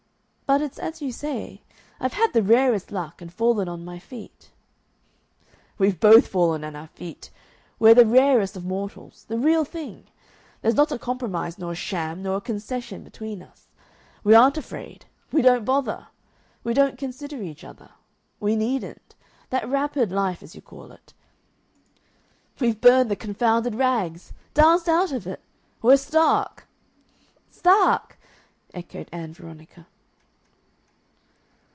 But it's as you say. I've had the rarest luck and fallen on my feet." "We've both fallen on our feet! We're the rarest of mortals! The real thing! There's not a compromise nor a sham nor a concession between us. We aren't afraid; we don't bother. We don't consider each other; we needn't. That wrappered life, as you call it we've burned the confounded rags! Danced out of it! We're stark!" "Stark!" echoed Ann Veronica.